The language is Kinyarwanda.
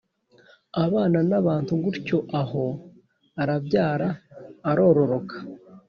abana n’abantu gutyo, aho, arabyara, arororoka.